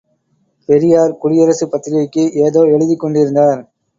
பெரியார் குடியரசு பத்திரிகைக்கு ஏதோ எழுதிக் கொண்டிருந்தார்.